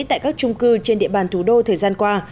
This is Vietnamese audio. tại các trung cư trên địa bàn thủ đô thời gian qua